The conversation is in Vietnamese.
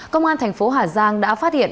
công an thành phố hà giang đã phát hiện